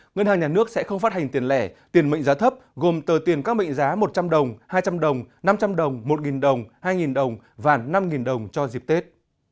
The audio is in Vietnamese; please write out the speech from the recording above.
ngân hàng nhà nước sẽ không phát hành tiền lẻ tiền mệnh giá thấp gồm tờ tiền các mệnh giá một trăm linh đồng hai trăm linh đồng năm trăm linh đồng một đồng hai đồng và năm đồng cho dịp tết